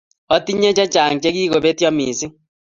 atinye chechang chegigopetyo missing